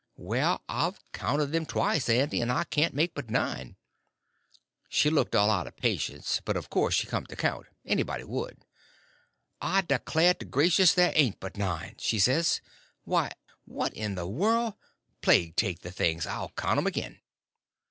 "Well, I've counted them twice, Aunty, and I can't make but nine." She looked out of all patience, but of course she come to count—anybody would. "I declare to gracious ther' ain't but nine!" she says. "Why, what in the world—plague take the things, I'll count 'm again."